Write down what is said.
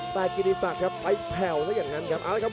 แต่กินที่สักครับไวท์แผ่วเฉ่าอย่างงั้นครับ